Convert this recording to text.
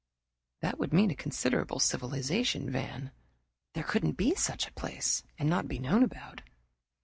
"That would mean a considerable civilization, Van. There couldn't be such a place and not known about."